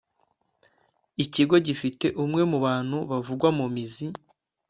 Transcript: Ikigo gifite umwe mu bantu bavugwa mu mizi